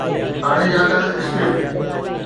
اڻڄاتل اسڪرپٽ